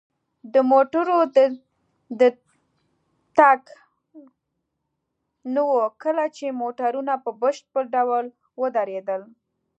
د موټرو د تګ نه وه، کله چې موټرونه په بشپړ ډول ودرېدل.